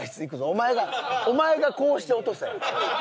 お前がお前がこうして落とせ。